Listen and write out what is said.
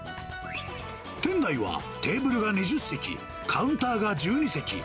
店内はテーブルが２０席、カウンターが１２席。